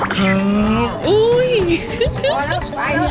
พอแล้วไปนะ